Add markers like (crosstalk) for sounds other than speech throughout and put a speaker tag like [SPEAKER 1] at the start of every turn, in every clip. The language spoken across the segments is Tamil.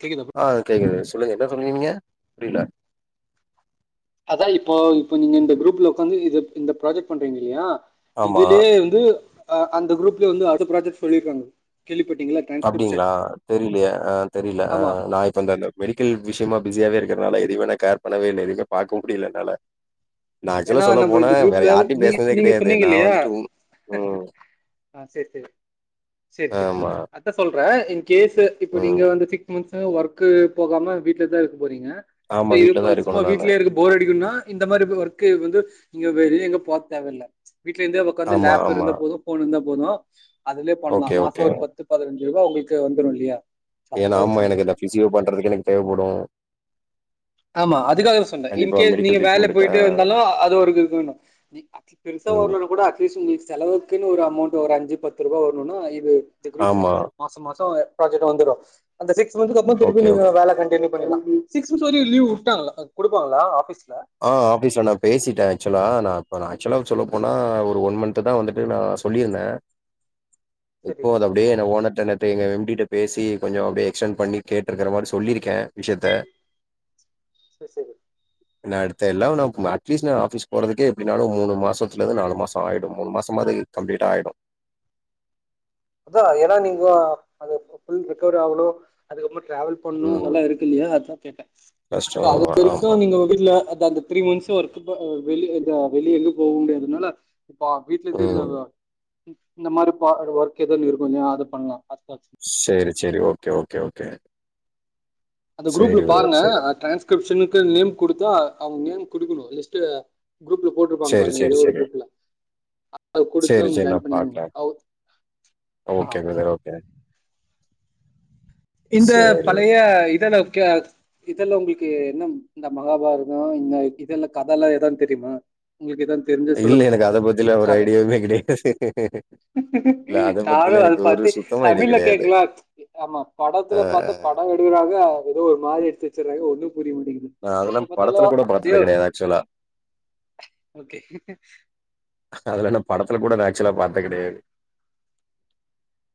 [SPEAKER 1] கேட்குதா ப்ரோ
[SPEAKER 2] ஆ கேட்குது சொல்லுங்க என்ன சொல்லினிங்க புரில
[SPEAKER 1] அதா இப்போ இப்ப நீங்க இந்த குரூப்ல உட்காந்து இது இந்த ப்ராஜெக்ட் பண்றீங்க இல்லையா
[SPEAKER 2] ஆமா
[SPEAKER 1] இதுலயே அந்த குரூப்ல வந்து அடுத்த ப்ராஜெக்ட் சொல்லியிருக்காங்க கேள்விப்பட்டீங்களா டிரான்ஸ்கிரிப்ஷன்
[SPEAKER 2] அப்டிங்ளா தெரியலையே அ தெரியல அ
[SPEAKER 1] ஆமா
[SPEAKER 2] நா இப்போ தந்த மெடிக்கல் விஷயமா பிஸியாவே இருக்கிறதுனால எதயுமே நா கேர் பண்ணவே இல்ல எதுவுமே பாக்கவு முடியல என்னால நா
[SPEAKER 1] ஏன்னா
[SPEAKER 2] ஆக்சுவலா சொல்ல
[SPEAKER 1] நம்ம
[SPEAKER 2] போனா
[SPEAKER 1] இந்த
[SPEAKER 2] வேற
[SPEAKER 1] குரூப்ல
[SPEAKER 2] யார்டயு
[SPEAKER 1] நீங்க
[SPEAKER 2] பேஸ்னதே
[SPEAKER 1] நீங்க
[SPEAKER 2] கிடையாது
[SPEAKER 1] சொன்னீங்க
[SPEAKER 2] நா
[SPEAKER 1] இல்லையா
[SPEAKER 2] வந்துட்டு உ
[SPEAKER 1] ஆ சேரி சேரி சேரி சேரி
[SPEAKER 2] ஆமா
[SPEAKER 1] சேரி அத்தா சொல்ற இன் கேஸ் இப்ப நீங்க
[SPEAKER 2] ம்
[SPEAKER 1] வந்து ஒர்கு போகாம வீட்ல தா இருக்க போறீங்க
[SPEAKER 2] ஆமா
[SPEAKER 1] இது
[SPEAKER 2] வீட்லதா
[SPEAKER 1] பண் சும்மா
[SPEAKER 2] இருக்கணு நானு
[SPEAKER 1] வீட்லயே இருக்க போர் அடிக்குனா இந்த மாரி ஒர்க்கு வந்து நீங்க வெளிய எங்க போ தேவயில்ல வீட்ல இருந்தே உட்காந்து
[SPEAKER 2] ஆமா
[SPEAKER 1] லேப்
[SPEAKER 2] ஆமா
[SPEAKER 1] இருந்தாபோது போன் இருந்தா போது அதுலயே பண்லா
[SPEAKER 2] ஓகே ஓகே
[SPEAKER 1] மாசோ ஒரு பத் து பதினஞ்சு ரூபா உங்களுக்கு வந்துரு இல்லையா
[SPEAKER 2] எனா
[SPEAKER 1] அதுக்காக
[SPEAKER 2] ஆமா
[SPEAKER 1] சொன்ன
[SPEAKER 2] எனக்கு இந்த பிசியோ பண்றதுக்கு எனக்கு தேவப்படு
[SPEAKER 1] ஆமா அதுக்காக சொன்னே இன்கேஸ் நீங்க வேலை
[SPEAKER 2] ட்ரீட்மெண்ட்க்கு ஆ
[SPEAKER 1] போய்ட்டு வந்தாலு அது ஒரு இன்கம் தா
[SPEAKER 2] ம்
[SPEAKER 1] பெருசாவர்லனா கூட அட்லீஸ்ட்டு உங்களுக்கு செலவு க்குனு ஒரு அமௌண்ட் ஒரு அஞ்சு பத்து ரூபா வர்ணும்னா இது இந்த குருப்ல
[SPEAKER 2] ஆமா
[SPEAKER 1] மாசோ மாசோ ப்ராஜெக்ட்டு வந்துரு அந்த சிக்ஸ் மந்த்க்கு அப்றோ திருப்பி
[SPEAKER 2] ஓகே ஓ
[SPEAKER 1] நீங்க வேல கண்டின்யூ பண்ணிகலா சிக்ஸ் (inaudible) லீவ் வுட்டாங்களா குடுப்பாங்களா ஆபீஸ்ல
[SPEAKER 2] ஆ ஆபீஸ்ல நா பேசிட்டே ஆக்சுவலா நா இப்ப நா ஆக்சுவலா சொல்லப் போனா ஒரு ஒன் மந்த்து தா வந்துட்டு நா சொல்லிருந்தே
[SPEAKER 1] சரி
[SPEAKER 2] இப்போத அப்டியே எங்க ஓனர்ட்ட நேத்து எங்க எம் டி ட்ட பேசி கொஞ்சோ அப்டியே எக்ஸ்டென்ட் பண்ணி கேட்ருக்குற மாரி சொல்லிருக்கே விஷயத்த
[SPEAKER 1] செர் செரி
[SPEAKER 2] எனா அடுத்த எல்லா நா ம் அட்லீஸ்ட் நா ஆஃபீஸ் போறதுக்கே எப்டினாலு மூனு மாசத்துலந்து நாலு மாசோ ஆயிடு மூனு மாசோமாது கம்ப்ளீட் ஆயிடு
[SPEAKER 1] அதா ஏனா நீங்கோ அது ஃபுல் ரெகவர் ஆகணு அதுக்கப்பறமா டிராவல் பண்ணு
[SPEAKER 2] ம்.
[SPEAKER 1] அதெல்லா இருக்கு இல்லியா அதா கேட்டே சோ
[SPEAKER 2] கஷ்டம்.
[SPEAKER 1] அது வரைக்கு
[SPEAKER 2] ஆமா.
[SPEAKER 1] நீங்க வீட்ல அதா அந்த த்ரீ மந்த்ஸ் ஒர்க் ப வெளி இந்த வெளிய எங்கும் போக முடியாதுனால இப்ப வீட்ல இருந்து இந்த
[SPEAKER 2] ம்.
[SPEAKER 1] இந்த மாரி ப ஒர்க் எதா ஒன்னு இருக்கும்ல அத பண்லா அதுக்காச்சு
[SPEAKER 2] சேரி சேரி ஓகே ஓகே ஓகே
[SPEAKER 1] அந்த குரூப்ல
[SPEAKER 2] சரி பிரதர்.
[SPEAKER 1] பாருங்க
[SPEAKER 2] சரி.
[SPEAKER 1] அ டிரான்ஸ்கிரிப்ஷனுக்கு நேம் குடுத்தா அவங்க நேம் குடுக்கணு லிஸ்ட் குரூப்ல போட்டுருப்பாங்க
[SPEAKER 2] சரி,
[SPEAKER 1] பாருங்க
[SPEAKER 2] சரி,
[SPEAKER 1] எதோ ஒரு
[SPEAKER 2] சரி.
[SPEAKER 1] குரூப்ல அத குடுத்து
[SPEAKER 2] சரி,
[SPEAKER 1] அங்
[SPEAKER 2] சரி.
[SPEAKER 1] ஜாயின்
[SPEAKER 2] நான்
[SPEAKER 1] பண்ணிகுங்க
[SPEAKER 2] பாக்குறேன்.
[SPEAKER 1] அவ்
[SPEAKER 2] ஓகே
[SPEAKER 1] அ
[SPEAKER 2] பிரதர். ஓகே.
[SPEAKER 1] இந்த
[SPEAKER 2] சரி.
[SPEAKER 1] பழைய இதெல்ல கே இதெல்லா உங்களுக்கு என்ன இந்த மகாபாரதொ இந்த இதெல்ல கதல்லா எதான்னு தெரியுமா உங்களுக்கு எதான்
[SPEAKER 2] இல்ல எனக்கு அத பத்திலா ஒரு ஐடியாவுமே கெடையாது
[SPEAKER 1] நானு அது பாத்து
[SPEAKER 2] ஐடியா
[SPEAKER 1] தமிழ்ல
[SPEAKER 2] கெடையாது
[SPEAKER 1] கேக்கலா ஆமா
[SPEAKER 2] ஆ
[SPEAKER 1] படத்துல பாத்தா படோ எடுகறாங்க அது எதோ ஒரு மாரி எடுத்து வச்சுருக்காங்க ஒன்னும் புரியமாட்டிங்குது
[SPEAKER 2] நா அதெல்லா படத்துல கூட பாத்தது கெடயாது ஆக்சுவலா
[SPEAKER 1] ஓகே.
[SPEAKER 2] அதுலா நா படத்துல கூட நா ஆக்சுவலா பாத்தெ கெடையாது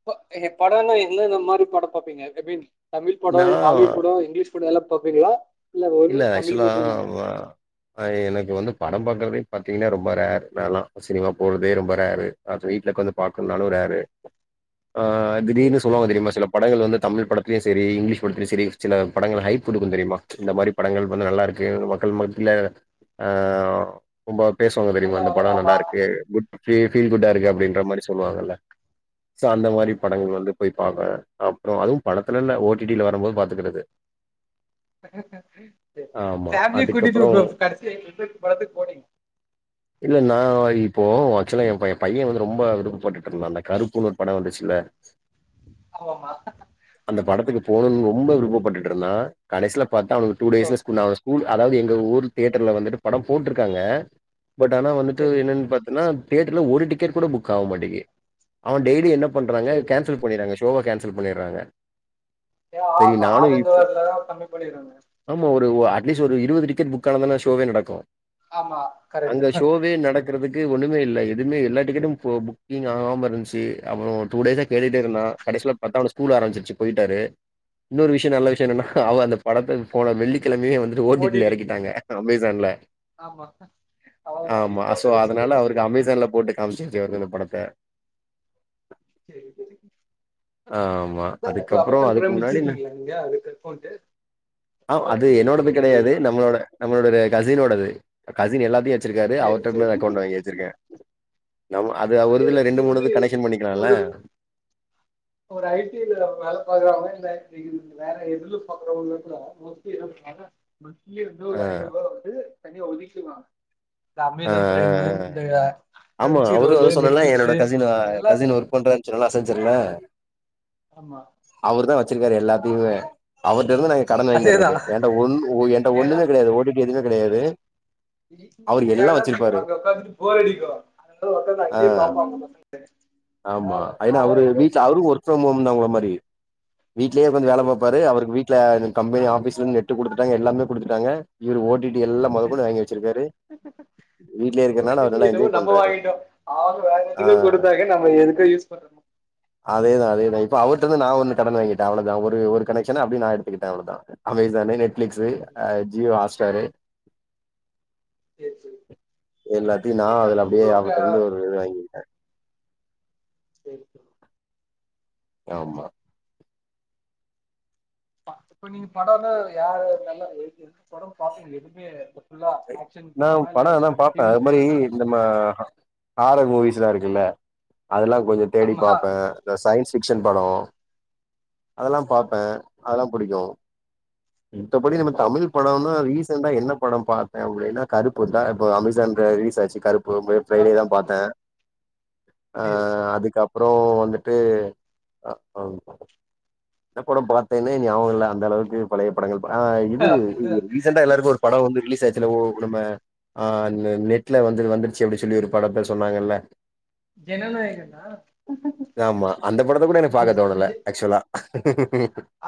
[SPEAKER 1] ப எ படோனா என்னன்ன மாரி படொ பாப்பீங்க ஐ மீன் தமிழ் படொ
[SPEAKER 2] நா
[SPEAKER 1] இ ஹாலிவுட் படொ இங்கிலீஷ் படொ எல்லா பாப்பீங்ளா இல்ல வெறு தமிழ் மட்டுந்தானா
[SPEAKER 2] ப பாய் எனக்கு வந்து படம் பாக்கறதே பாத்தீங்கன்னா ரொம்ப ரேர் நாலா சினிமா போறதே ரொம்ப ரேரு அத வீட்ல உக்காந்து பாக்குன்னாலு ரேரு ஆ
[SPEAKER 1] சரி.
[SPEAKER 2] திடிர்னு சொல்வாங்க தெரியுமா சில படங்கள் வந்து தமிழ் படத்துலயு சரி இங்கிலீஷ் படத்துலயு சரி சில படங்கள் ஹைப் குடுக்கு தெரியுமா இந்த மாரி படங்கள் கொஞ்சொ நல்லாருக்கு மக்கள் மத்தில ஆ ரொம்ப பேசுவாங்க தெரியுமா
[SPEAKER 1] நல்லா
[SPEAKER 2] இந்த படோ
[SPEAKER 1] ஆமா.
[SPEAKER 2] நல்லாருக்கு குட் ஃபீ ஃபீல் குட்டா இருக்கு
[SPEAKER 1] ஆமா.
[SPEAKER 2] அப்டின்ற மாரி சொல்லுவாங்கல சோ அந்த
[SPEAKER 1] ஆமா.
[SPEAKER 2] மாரி படங்கள் வந்து போய் பாப்பே அப்றோ அதுவு படத்துலல்ல ஓ டி டி ல வரும்போது பாத்துக்குறது
[SPEAKER 1] செரி
[SPEAKER 2] ஆமா
[SPEAKER 1] ஃபேமிலிய கூட்டிட்டு
[SPEAKER 2] அதுக்கப்றோ
[SPEAKER 1] போ கடைசியா (unintelligible) படத்துக்கு போனீங்
[SPEAKER 2] இல்ல நா இப்போ ஆக்சுவலா எ பைய பைய வந்து ரொம்ப விருப்பட்டுட்டுருந்தா அந்த கருப்புன்னு ஒரு படொ வந்துச்சுல்ல
[SPEAKER 1] ஆமாமா
[SPEAKER 2] அந்த படத்துக்கு போணுன்னு ரொம்ப விருப்பட்டுட்ருந்தா கடைசில பாத்தா அவனுக்கு டூ
[SPEAKER 1] ஓ
[SPEAKER 2] டேஸ்ல ஸ்கூல் நா கூல் அதாவ்து எங்க ஊர் தேட்டர்ல வந்துட்டு படொ போட்ருக்காங்க பட் ஆனா வந்துட்டு
[SPEAKER 1] செரி
[SPEAKER 2] என்னன்னு பாத்தன்னா தேட்டர்ல ஒரு டிக்கெட் கூட புக் ஆக மாட்டேக்கு அவெ டெய்லி என்ன பண்றாங்க
[SPEAKER 1] செரி
[SPEAKER 2] கேன்சல் பண்ணிறாங்க ஷோவ கேன்சல் பண்ணிறாங்க
[SPEAKER 1] ஏ
[SPEAKER 2] சரி
[SPEAKER 1] ஆபா
[SPEAKER 2] நானு
[SPEAKER 1] ஆளுங்க
[SPEAKER 2] இப்போ
[SPEAKER 1] வர்லனா கம்மி பண்ணிருவாங்க
[SPEAKER 2] ஆமா ஒரு ஒ அட்லீஸ்ட் ஒரு இருவது டிக்கெட் புக் ஆனாதானே ஷோவே நடக்கு
[SPEAKER 1] ஆமா கரெக்ட்
[SPEAKER 2] அங்க
[SPEAKER 1] தா
[SPEAKER 2] ஷோவே நடக் குறதுக்கு ஒன்னுமே இல்ல எதுமே எல்லா டிக்கெட்டு பு புக்கிங் ஆகாம இருந்துச்சி அப்பறோ டூ டேஸா கேட்டுட்டே இருந்தா கடசில பாத்தா அவனுக் ஸ்கூல் ஆரம்பிச்சுருச்சு போயிட்டாரு இன்னொரு விஷய நல்ல விஷய என்னனா அவ அந்த படத்த போன வெள்ளிக்கிழமயே வந்ட்டு ஒ டி டி ல இறக்கிட்டாங்க அமேசான்ல
[SPEAKER 1] ஆமா அவ்ளோதா
[SPEAKER 2] ஆமா
[SPEAKER 1] வீட்ல
[SPEAKER 2] சோ
[SPEAKER 1] உக்காந்து போட்டு
[SPEAKER 2] அதனால
[SPEAKER 1] பாக்குறது
[SPEAKER 2] அவருக்கு அமேசான்ல போட்டு காம்ச்சுட்ருக்காங்க இந்த படத்த
[SPEAKER 1] செரி செரி
[SPEAKER 2] ஆமா அதுக்கப்பற அதுக்கு முன்னாடி ந
[SPEAKER 1] இங்க ஏ அதுக்குன் ஃபோன்ட்டு
[SPEAKER 2] ஆ அது என்னோடது கெடையாது நம்மளோட நம்மளோட கசினோடது கசின் எல்லாத்தயு வச்சிருக்காரு
[SPEAKER 1] செரி
[SPEAKER 2] அவர்டருந்து
[SPEAKER 1] செரி
[SPEAKER 2] அக்கவுண்ட் வாங்கி வச்சிருக்க நம்ம அது ஒரு
[SPEAKER 1] அதே
[SPEAKER 2] இதுல ரெண்டு மூணு
[SPEAKER 1] வந்து
[SPEAKER 2] இது கனெக்க்ஷன் பண்ணிக்கலால.
[SPEAKER 1] ஒரு ஒரு ஐடில வேல பாக்குறவங்க, இந்த ஐடிக்கு வேற எதுலு பாக்குறவங்க கூட ஓகே தா பண்ண முக்கிய இருந்து ஒரு
[SPEAKER 2] ஆ
[SPEAKER 1] ஐநூறுவா வந்து தனியா ஒதிக்கிர்றாங்க
[SPEAKER 2] ஆ ஆ
[SPEAKER 1] இந்தய
[SPEAKER 2] ஆமா அவரு வந்து சொன்னல, என்னோட கசின் ஆ
[SPEAKER 1] எல்லாத்து
[SPEAKER 2] கசின் ஒர்க் பண்றார் சொன்னல அச்செஞ்ஜர்ல
[SPEAKER 1] ஆமா
[SPEAKER 2] அவரு தா வச்சிருக்காரு எல்லாத்தயுமே. அவர்ட்ட இருந்து நாங்க கடன்
[SPEAKER 1] அதேதா
[SPEAKER 2] வாங்கிறது. ஏண்ட ஒன் ஏண்ட ஒன்னு
[SPEAKER 1] ஏனா
[SPEAKER 2] மே கெடையாது. ஓ டி டி எதுவுமே கெடையாது. அவரு எல்லா
[SPEAKER 1] எனக்கு
[SPEAKER 2] வச்சிருப்பாரு
[SPEAKER 1] அங்க உக்காந்துட்டு போரடிக்கு
[SPEAKER 2] ஆ
[SPEAKER 1] தெ
[SPEAKER 2] ஆமா அய்னா அவரு வீட்ல அவரு ஒரு சும் உம்னா உங்கள மாரி. வீட்லயே உக்காந்து
[SPEAKER 1] சேரி
[SPEAKER 2] வேல
[SPEAKER 1] சேரி
[SPEAKER 2] பாப்பாரு அவருக்கு வீட் ல இந்த கம்பெனி ஆபீஸ்ல இருந்து நெட்டு குடுத்துட்டாங்க. எல்லாமே குடுத்துட்டாங்க. இவர் ஓடிடி எல்லா மொதற்
[SPEAKER 1] சேரி
[SPEAKER 2] கொண்டு வாங்கி வச்சிருக்காரு. வீட்லயே
[SPEAKER 1] ஓ
[SPEAKER 2] இருக்கறனால
[SPEAKER 1] டி
[SPEAKER 2] அவர்
[SPEAKER 1] டி
[SPEAKER 2] நல்லா
[SPEAKER 1] என்னமோ
[SPEAKER 2] என்ஜாய்
[SPEAKER 1] நம்ம
[SPEAKER 2] பண்றாரு
[SPEAKER 1] வாங்கிட்டோ அவங்க வேற
[SPEAKER 2] ஆ
[SPEAKER 1] எதுக்கோ குடுத்தாங்க நம்ம எதுக்கோ யூஸ் பண்றோ
[SPEAKER 2] அதேதா அதேதா இப்ப அவர்ட்ட இருந்து நா வந்து கடன் வாங்கிட்ட அவ்ளோதா ஒரு ஒரு கனக்க்ஷன் அப்டியே நா எடுத்துக்கிட்ட அவ்ளோதா அமேசானு நெட்பிளிக்ஸு ஆ ஜியோ ஹாட்ஸ்டாரு
[SPEAKER 1] சேரி சேரி
[SPEAKER 2] எல்லாத்தயு நா அதுல அப்டியே
[SPEAKER 1] இப்போ க
[SPEAKER 2] அவர்ட்ட இருந்து ஒரு இது வாங்கி கிட்ட
[SPEAKER 1] சேரி சேரி
[SPEAKER 2] ஆமா
[SPEAKER 1] இப்ப நீங்க படம் வந்து யாரு, நல்லா எழுதி, படம் பாக்க எதுமே ஃபுல்லா ஆக்க்ஷன்
[SPEAKER 2] நா
[SPEAKER 1] படமா இல்ல,
[SPEAKER 2] படோ ஆனா பாப்பே
[SPEAKER 1] டிவில
[SPEAKER 2] அது மாரி
[SPEAKER 1] போட்ட தா
[SPEAKER 2] நம்ம ஹாரர் மூவிஸ்லா இருக்குல்ல, அதெல்லா கொஞ்சோ தேடி
[SPEAKER 1] ஆமா
[SPEAKER 2] பாப்ப இந்த சயின்ஸ் ஃபிக்க்ஷன் பட அதெல்லா
[SPEAKER 1] ஆமா
[SPEAKER 2] பாப்பே. அதெல்லா புடிக்கு மித்தபடி நம்ம
[SPEAKER 1] சரி,
[SPEAKER 2] தமிழ்
[SPEAKER 1] சரி.
[SPEAKER 2] படனா ரீசன்டா என்ன பட பாத் அப்படின்னா கருப்பு தா. இப்போ அமேசான்ல ரிலீஸ் ஆச்சு கருப் போ போயு ஃப்ரைடே
[SPEAKER 1] ஆமா
[SPEAKER 2] தா பாத்த அ
[SPEAKER 1] சேரி
[SPEAKER 2] அதுக்கப் அப்றோ வந்துட்டு அ அவ் என்ன பட பாத்தேனே ஞாபக இல்ல அந்தளவுக்கு பழைய படங்கள் ஆ இது
[SPEAKER 1] அதா
[SPEAKER 2] ரீசன்டா எல்லாருக்கு ஒரு படம் வந்து ரிலீஸ் ஆச்சு. சிலவோ உடும ஆ நெட்ல வந்து வந்துடுச்சு அப்படின் சொல்லி ஒரு பட பேர் சொன்னாங்கல்ல.
[SPEAKER 1] ஜனநாயகன்னா
[SPEAKER 2] ஆமா அந்த படத்தை கூட எனக்கு பாக்க
[SPEAKER 1] விஜ்
[SPEAKER 2] தோணல, ஆக்சுவலா. (inaudible)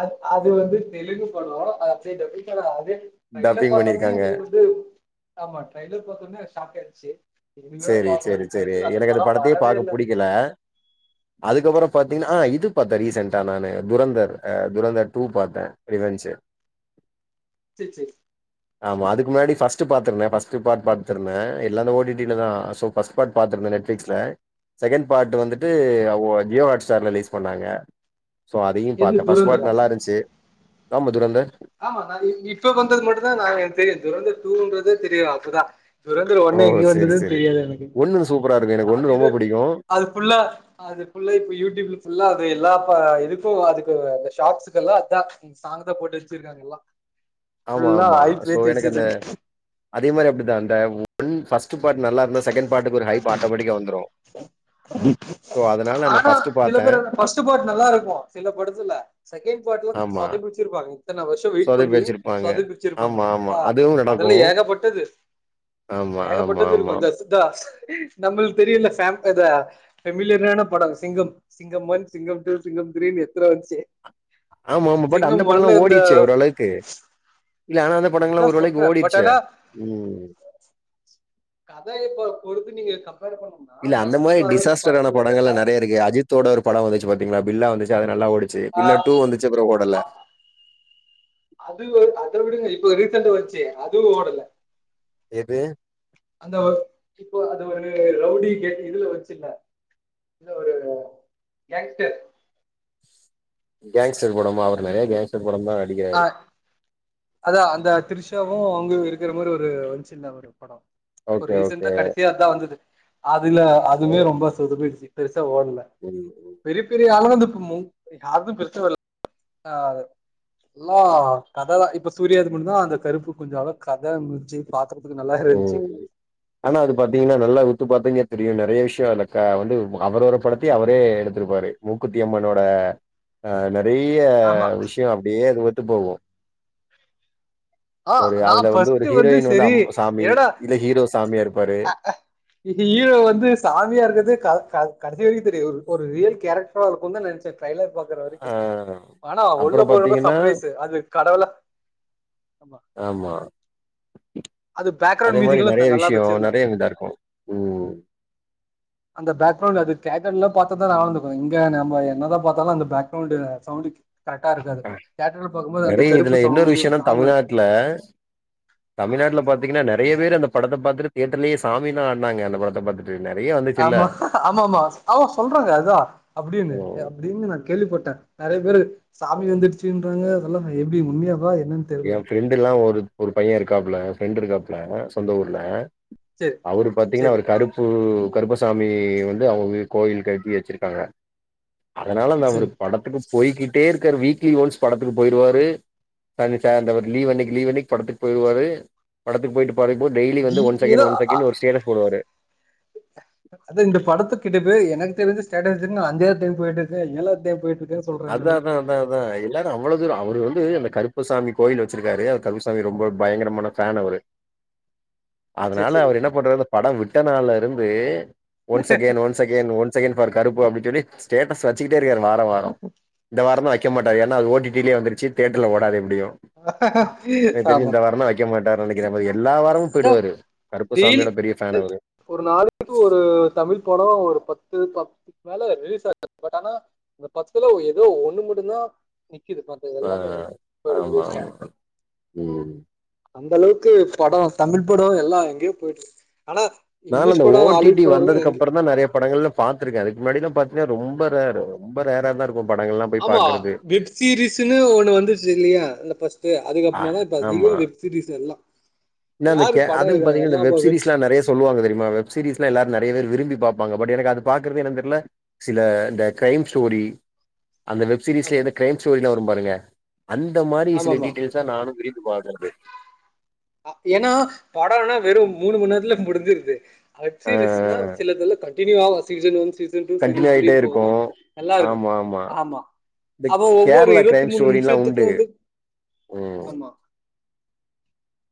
[SPEAKER 1] அ அது வந்து தெலுங்கு படம், (unintelligible) அதே ட்ரைலர்
[SPEAKER 2] டப்பிங்
[SPEAKER 1] பாத்த ஒனே
[SPEAKER 2] பண்ணிருக்காங்க
[SPEAKER 1] எங்களுக்கு வந்து ஆமா ட்ரைலர் பாத்த ஒனே அது ஷாக் ஆயிச்சு.
[SPEAKER 2] செரி செரி செரி எனக்கு அந்த படத்தையே
[SPEAKER 1] வரவே
[SPEAKER 2] பாக்க
[SPEAKER 1] இல்ல
[SPEAKER 2] புடிக்கல. அதுக்கப்பற பாத்தீங்னா, இது பாத்தே ரீசன்டா நானு துரந்தர், துரந்தர் டூ பாத்தேன் ரிவென்ச்சு. (inaudible)
[SPEAKER 1] சேர் சேரி
[SPEAKER 2] ஆமா அதுக்கு முன்னாடி ஃபர்ஸ்ட் பாத்துருந்தேன். ஃபர்ஸ்ட் பார்ட் பாத்துருந்தே. எல்லா அந்த ஓடி டிலதா சோ ஃபர்ஸ்ட் பார்ட் பாத்துருந்தே, நெட் ஃப்ளிக்ஸ்ல. செகண்ட் பார்ட் வந்துட் டு
[SPEAKER 1] சரி
[SPEAKER 2] ஜியோ ஹாட் ஸ்டார் ரிலீஸ் பண்ணாங்க. சோ அதையு
[SPEAKER 1] எது
[SPEAKER 2] பாத்தே. ஃபர்ஸ்ட் பார்ட்
[SPEAKER 1] துரந்தரா
[SPEAKER 2] நல்லாருந்துச்சு. ஆம்மா துரேந்தர்
[SPEAKER 1] ஆமா நா இ இப்ப வந்தது மட்டும்தா நா எனக் தெரியு. துரேந்தர் டூன்றதே தெரியு அப்போதா. துரேந்தர் ஒண்ணு
[SPEAKER 2] ஓ
[SPEAKER 1] எங்க
[SPEAKER 2] சேரி
[SPEAKER 1] வந்ததுன்னு
[SPEAKER 2] சேரி
[SPEAKER 1] தெரியாது எனக்கு
[SPEAKER 2] ஒன்னு சூப்பரா இருக்கு எனக்கு
[SPEAKER 1] அது
[SPEAKER 2] ஒன்னு ரொம்ப
[SPEAKER 1] இது
[SPEAKER 2] பிடிக்கு
[SPEAKER 1] அது ஃபுல்லா அதுஃபுல்லா, இப்ப யூடியூப் ஃபுல்லா அது எல்லா ப இதுக்கு அதுக்கு அந்த ஷாட்ஸுக்கெல்லா அதா சாங்குதா போட்டு வச்சிருக்காங்க எல்லா
[SPEAKER 2] ஆமா
[SPEAKER 1] ஃபுல்லா
[SPEAKER 2] ஆமா
[SPEAKER 1] ஹைப்
[SPEAKER 2] சோ
[SPEAKER 1] ஏத்தி
[SPEAKER 2] எனக்கு அந்த
[SPEAKER 1] வச்சிருக்காங்க.
[SPEAKER 2] அதே மாரி அப்டிதா அந்த ஒன் ஃபர்ஸ்ட் பார்ட் நல்லா இருந்தா, செகண்ட் பார்ட்க்கு ஒரு ஹைப் ஆட்டோமேட்டிக்கா வந்துரு. சோ
[SPEAKER 1] (unintelligible)
[SPEAKER 2] அதனால நா
[SPEAKER 1] ஆனா
[SPEAKER 2] ஃபர்ஸ்ட்
[SPEAKER 1] சில
[SPEAKER 2] பாத்தே
[SPEAKER 1] பேரோட ஃபஸ்ட் பார்ட் நல்லாருக்கு சில படத்துல செகண்ட் பார்ட்ல
[SPEAKER 2] ஆமா
[SPEAKER 1] சொதப்பி வச்சிருப்பாங்க இத்தன வருஷ வெயிட்
[SPEAKER 2] சொதப்பி
[SPEAKER 1] பண்ணி
[SPEAKER 2] வச்சிருப்பாங்க
[SPEAKER 1] சொதப்பி வச்சிருப்பாங்க
[SPEAKER 2] ஆமா ஆமா
[SPEAKER 1] ஆ
[SPEAKER 2] அதுவு நடக்கு
[SPEAKER 1] அதெல்லா ஏகப்பட்டது
[SPEAKER 2] ஆமா ஆமா
[SPEAKER 1] ஏகப்பட்டது
[SPEAKER 2] ஆமா
[SPEAKER 1] இருக்கு தஸ் தாஸ் நம்ளுக்கு தெரியுல்ல சேம் இதா ஃபெமிலியரான படம் சிங்கம் சிங்கம் ஒன் சிங்கம் டூ சிங்கம் த்ரீனு எத்தன வந்துச்சு
[SPEAKER 2] ஆமா ஆமா பட் அந்த
[SPEAKER 1] சிங்கம்
[SPEAKER 2] படல்லா
[SPEAKER 1] ஒன்ல இந்த
[SPEAKER 2] ஓடிச்சே ஓரளவுக்கு இல்ல ஆனா அந்த படங்கள்லா
[SPEAKER 1] அதா
[SPEAKER 2] ஒரு வேளைக்கு
[SPEAKER 1] சொல்றே பட்
[SPEAKER 2] ஓடிச்சே
[SPEAKER 1] ஆனா
[SPEAKER 2] ம்
[SPEAKER 1] கதை இப்ப பொறுத்து நீங்க கம்பேர் பண்ணணு
[SPEAKER 2] இல்ல அந்த மாரி டிசாஸ்டரான படங்கள்ல நெறைய இருக்கு அஜித்தோட ஒரு பட வந்துச்சு பாத்தீங்களா பில்லா வந்துச்சு அது நல்லா ஓடி ச்சி
[SPEAKER 1] ஆ
[SPEAKER 2] பில்லா டூ வந்துச்சு அப்ற ஓடல
[SPEAKER 1] அ அது அத விடுங்க இப்ப ரீசன்டா வன்ச்சே அதுவு ஓடல
[SPEAKER 2] எது
[SPEAKER 1] அந்த ஒ இப்போ அது ஒரு ரவுடி கேட் இதுல வன்ச்சுல இந்த ஒரு கேங்ஸ்டெர்
[SPEAKER 2] கேங்கஸ்டர் படம்மா அவரு நெறைய
[SPEAKER 1] அஜித் விஜய்
[SPEAKER 2] கேங்கஸ்டர் படம்தா
[SPEAKER 1] ஆ
[SPEAKER 2] நடிக்கிறாரு
[SPEAKER 1] அதா அந்த த்ரிஷாவு அவுங்களு இருக்கிற மாரி ஒரு வன்ச்சுல ஒரு பட இப்ப
[SPEAKER 2] ஓகே
[SPEAKER 1] ரீசண்டா
[SPEAKER 2] ஓகே
[SPEAKER 1] கடைசியா அதா வந்தது. அதுல அதுமே ரொம்ப சொதுப்பிடுச்சு பெருசா ஓட்ல.
[SPEAKER 2] சரிங்க ப்ரோ
[SPEAKER 1] பெரிய பெரிய ஆளா வந்து இப்ப மு யாருது பெருசா வர்ல ஆ அது எல்லா கததா இப்ப சூர்யாது கூடதா அந்த கருப்பு கொஞ்ச அளவ கத முடிஞ்ச்சு பாக்குறதுக்கு நல்லாருந்ச்சு
[SPEAKER 2] ம் ஆனா அது பாத்தீங்கன்னா நல்லா உத்து பாத்தீங்னா தெரியு நெறைய விஷ்ய எனக்கா வந்து அவரோர படத்தயே அவரே எடுத்திருப்பாரு மூக்குத்தி அம்மனோட அ நெறைய
[SPEAKER 1] ஆமா
[SPEAKER 2] விஷ்ய அப்டியே அது ஒத்து போகு
[SPEAKER 1] ஆ
[SPEAKER 2] ஒரு
[SPEAKER 1] நா
[SPEAKER 2] அதுல வந்து ஒரு
[SPEAKER 1] ஃபர்ஸ்ட்
[SPEAKER 2] ஹீரோயின் வந்து
[SPEAKER 1] சரி
[SPEAKER 2] அம் சாமி இதுல ஹீரோ சாமியா இருப்பாரு
[SPEAKER 1] அ இது ஹீரோ வந்து சாமியா இருக்கிறது க க கடைசி வரைக்கு தெரியாது ஒரு ரியல் கேரக்ரா இருக்குன்தா நெனச்சே ட்ரைலர் பாக்குற வரைக்கு
[SPEAKER 2] ஆ
[SPEAKER 1] ஆனா உள்ள
[SPEAKER 2] அப்புறோ
[SPEAKER 1] போறப்ப
[SPEAKER 2] பாத்தீங்கன்னா
[SPEAKER 1] சப்ரைஸு அது கடவுளா
[SPEAKER 2] ஆமா
[SPEAKER 1] அது பேக்ரவுண்ட்
[SPEAKER 2] அதே மாரி
[SPEAKER 1] மியூசிக் எல்லாம்
[SPEAKER 2] நெறைய
[SPEAKER 1] த- நல்லா
[SPEAKER 2] விஷய
[SPEAKER 1] வச்சிருந்தாங்க
[SPEAKER 2] நெறையா இதா இருக்கு ம்
[SPEAKER 1] அந்த பேக்ரவுண்ட் அது தேட்டர்ல பாத்தாதா நல்லாந்துக்கு இங்க நம்ம என்னதா பாத்தாலு அந்த பேக்ரவுண்டு சவுன்டுக்கு கரெட்டா இருக்காது
[SPEAKER 2] அ
[SPEAKER 1] தேட்டர்ல பாக்கும்போது அந்த கருப்பு சவுண்டு சாங்கு வரு
[SPEAKER 2] இல தமிழ்நாட்ல பாத்தீங்கன்னா நெறைய பேர் அந்த படத்த பாத்துட்டு தேட்டர்லயே சாமிலா ஆடுனாங்க அந்த படத்த பாத்து து நெறையா வந்து
[SPEAKER 1] ஆமா ஆமா ஆமா ஆமா சொல்றாங்க அதா அப்டின்னு அப்டின்னு நா கேள்விப்பட்ட நெறைய பேரு
[SPEAKER 2] ம்
[SPEAKER 1] சாமி வந்துடுச்சுன்றாங்க அதெல்லா எப்டி உண்மையாவா என்னன்
[SPEAKER 2] எ ஃப்ரெண்டுல்லா ஒரு ஒரு பைய இருக்காப்புல ஃப்ரெண்ட்டு இருக்காப்புல சொந்த ஊர்ல
[SPEAKER 1] சரி
[SPEAKER 2] அவரு பாத்தீங்கன்னா
[SPEAKER 1] சரி
[SPEAKER 2] அவரு கருப் பு‌ கருப்பசாமி வந்து அவங்க கோயில் கட்டி வச்சிருக்காங்க அதனால அந்த அவரு
[SPEAKER 1] சரி
[SPEAKER 2] படத்துக்கு போய்கிட்டே இருக்காரு வீக்லி ஒன்ஸ் படத்துக்கு போயிருவாரு தண்ணி சார் அந்த லீவ் அன்னைக்கி லீவ் அன்னைக்கி படத்துக்கு போய்ருவாரு படத்துக்கு போய்ட்டு (unintelligible) டெய்லி
[SPEAKER 1] ஹீ
[SPEAKER 2] வந்து ஒன்
[SPEAKER 1] ஏதோ
[SPEAKER 2] செகண்ட் ஒன்
[SPEAKER 1] அ
[SPEAKER 2] செகண்ட் ஒரு ஸ்டேட்டஸ் போடுவாரு
[SPEAKER 1] அது இந்த படத்து கிட்டதட்ட எனக்கு தெரிஞ்ச ஸ்டேட்டஸ் வச்சி (unintelligible) அஜ்ஜா டைம் போயிட்டு இருக்க ஏழாது டைம் போயீட்டு இருக்க
[SPEAKER 2] அதா அதா அதா அதா எல்லாரு அவ்வளோ தூரோ அவர் வந்து அந்த கருப்பசாமி கோயில் வச்சிருக்காரு அவர் கருப்பசாமி ரொம்ப பயங்கரமான ஃபேன் அவரு
[SPEAKER 1] சேரி
[SPEAKER 2] அதனால
[SPEAKER 1] சேரி
[SPEAKER 2] அவர் என்ன பண்றாரு படம் விட்டனால்ல இருந்து once again once second one second பார் கருப்பு அப்டி சொல்லி ஸ்டேட்டஸ் வச்சுகிட்டே இருக்காரு வார வாரோ இந்த வாரோந் தா வைக்க மாட்டாரு ஏன்னா அது ஓட்டிட்டிலே வந்துருச்சி தேட்டர்ல ஓடாது எப்டியு எனக்கு தெரிஞ்சி
[SPEAKER 1] ஆமா
[SPEAKER 2] இந்த வாரந்தா வைக்க மாட்டார் நெனைக்கிற அவரு எல்லா வாரமு
[SPEAKER 1] இதா
[SPEAKER 2] போயிடுவாரு
[SPEAKER 1] டெய்லி
[SPEAKER 2] கருப்பசாமியோட பெரிய ஃபேனு அவரு
[SPEAKER 1] ஒரு நாளைக்கு ஒரு தமிழ் படோ ஒரு பத்து பத்துக்கு மேல ரிலீஸ் ஆகுது பட் ஆனா அந்த பத்துல ஏதோ ஒண்ணு மட்டுதா நிக்குது ப மத்த
[SPEAKER 2] ஆ
[SPEAKER 1] எல்லாமே போய்டுது
[SPEAKER 2] ஆமா
[SPEAKER 1] வேஸ்ட்டா
[SPEAKER 2] ம்
[SPEAKER 1] அந்த அளவுக்கு படோ தமிழ் படோ எல்லா எங்கயோ போய்ட்டு இருக் ஆனா
[SPEAKER 2] நாலா
[SPEAKER 1] இங்கிலீஷ்
[SPEAKER 2] இந்த
[SPEAKER 1] படோ ஹாலிவுட்
[SPEAKER 2] ஓடிடி
[SPEAKER 1] படோல்லா
[SPEAKER 2] வந்ததுக்கு
[SPEAKER 1] எங்க
[SPEAKER 2] அப்புறோ தா நெறைய படங்கள்ல பாத்துருக்க அதுக்கு முன்னாடிலா பாத்தீன்னா ரொம்ப ரேர் ரொம்ப ரேர்ரா தா இருக் கு படங்கள்ல்லா
[SPEAKER 1] ஆமா வெப் சீரிஸ்ன்னு ஒண்ணு வந்துச்சு இல்லையா இந்த ஃபஸ்ட்டு
[SPEAKER 2] ஆ
[SPEAKER 1] அதுக்கப்புமா தா இப்ப அதிகம் வெப் சிரீஸ் எல்லா
[SPEAKER 2] இந்தா இந்த க
[SPEAKER 1] யாரு படம்
[SPEAKER 2] அது
[SPEAKER 1] எடுக்கணு
[SPEAKER 2] பாத்தீங்கனா
[SPEAKER 1] எல்லா
[SPEAKER 2] இந்த
[SPEAKER 1] இப்ப
[SPEAKER 2] வெப் சீரிஸ்லா நெறைய சொல்லுவாங்க தெரிமா வெப்சீரிஸ்லா எல்லாரு நெறைய பேர் விரும்பி பாப்பாங்க பட் எனக்கு அது பாக்குறது என்னன் தெர்ல சில இந்த க்ரைம் ஸ்டோரி அந்த வெப் சீீரீஸ்ல
[SPEAKER 1] ஆமா
[SPEAKER 2] இந்த கீரைம் ஸ்டோரிலா வரும் பாருங்க அந்த மாரி சில
[SPEAKER 1] ஆமாமா
[SPEAKER 2] டீட்டைல்ஸ்ச நானு விரும்பி பாக்குறது
[SPEAKER 1] ஏனா படோனா வெறு மூணு மணி நேரத்துல முடிஞ்சிருது
[SPEAKER 2] ஆ
[SPEAKER 1] ஹட்சீரிஸ்னா சிலதுல கட் டின்யூ ஆ season one season two season
[SPEAKER 2] continue
[SPEAKER 1] three
[SPEAKER 2] ஆயிட்டே இருக்கு
[SPEAKER 1] போகு நல்லா இருக்கு ஆமா
[SPEAKER 2] இந்த
[SPEAKER 1] அப்ப ஒவ்வொரு
[SPEAKER 2] கேரளா
[SPEAKER 1] இருவத்தி
[SPEAKER 2] கிரைம்
[SPEAKER 1] மூணு
[SPEAKER 2] ஸ்டோரில்லா
[SPEAKER 1] நிமிஷத்துக்கு
[SPEAKER 2] உண்டு
[SPEAKER 1] வந்து
[SPEAKER 2] ம்
[SPEAKER 1] ஆமா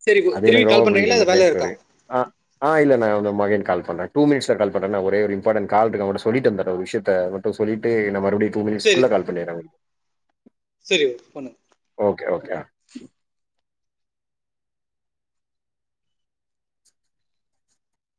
[SPEAKER 1] சரி
[SPEAKER 2] அது
[SPEAKER 1] திரும்பி
[SPEAKER 2] எனக்கு ரொம்ப
[SPEAKER 1] கால்
[SPEAKER 2] பிடிக்கு
[SPEAKER 1] பண்றீங்களா
[SPEAKER 2] இந்த க்ரைம்
[SPEAKER 1] வேல இருக்கா
[SPEAKER 2] ஸ்டோரி ஆ ஆ இல்லன்ன நம்ம அகேன் கால் பண்ற டூ மினிட்ஸ்ல கால் பண்றன்ன ஒரே ஒரு இம்பார்டண்ட் கால் இருக்கு அவங்கட்ட சொல்லிட்டு வந்துர ஒரு விசயத்த சொல்லிட்டு நா மறுபடியு டூ
[SPEAKER 1] சரி
[SPEAKER 2] மினிட்ஸ்க்குள்ள கால் பண்ணிடுற
[SPEAKER 1] சரி பண்ணுங்க
[SPEAKER 2] ஓகே ஓகே ஆ